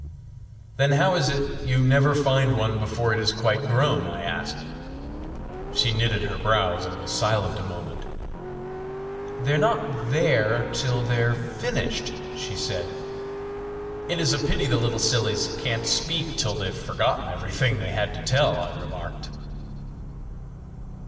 "Then how is it you never find one before it is quite grown?" I asked. She knitted her brows and was silent a moment: "They're not there till they're finished," she said. "It is a pity the little sillies can't speak till they've forgotten everything they had to tell!" I remarked.